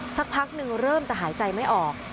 สักพักหนึ่งเริ่มจะหายใจไม่ออก